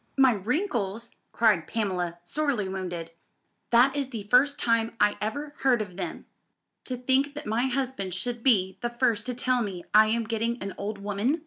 "My wrinkles!" cried Pamela, sorely wounded. "That is the first time I ever heard of them. To think that my husband should be the first to tell me I am getting an old woman!